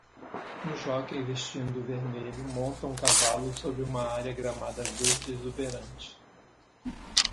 Um jóquei vestindo vermelho monta um cavalo sobre uma área gramada verde exuberante.